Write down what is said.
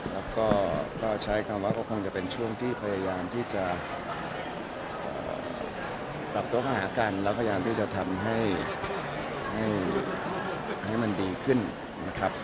แล้วก็จะปรับโต้หาหากันและทำให้มันดีขึ้นนะครับ